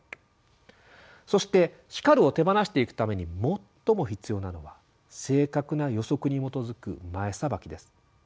そして「叱る」を手放していくために最も必要なのは正確な予測に基づく「前さばき」です。